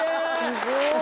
すごい。